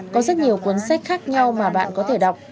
có rất nhiều cuốn sách khác nhau mà bạn có thể đọc